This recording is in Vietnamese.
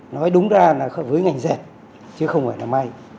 nói đúng ra là với ngành dệt chứ không phải là may